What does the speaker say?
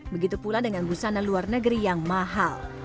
begitu pula dengan busana luar negeri yang mahal